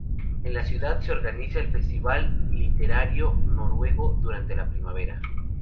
En la ciudad se organiza el Festival Literario Noruego durante la primavera.